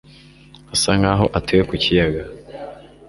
Asa nkaho atuye ku kiyaga